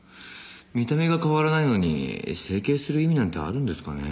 見た目が変わらないのに整形する意味なんてあるんですかね？